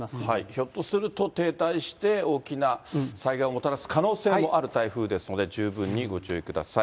ひょっとすると停滞して、大きな災害をもたらす可能性もある台風ですので、十分にご注意ください。